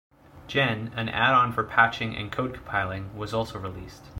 Gen, an add-on for patching and code compiling was also released.